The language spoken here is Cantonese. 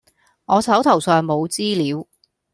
我手頭上冇資料